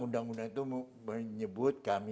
undang undang itu menyebut kami